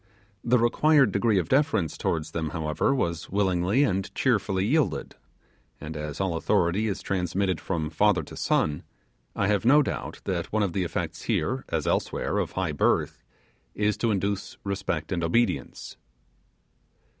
The required degree of deference towards them, however, was willingly and cheerfully yielded; and as all authority is transmitted from father to son, I have no doubt that one of the effects here, as elsewhere, of high birth, is to induce respect and obedience.